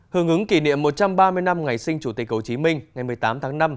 hướng ứng kỷ niệm một trăm ba mươi năm ngày sinh chủ tịch hồ chí minh ngày một mươi tám tháng năm